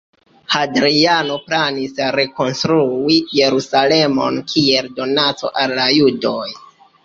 Hadriano planis rekonstrui Jerusalemon kiel donaco al la Judoj.